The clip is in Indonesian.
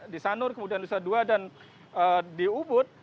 di sanur kemudian nusa dua dan di ubud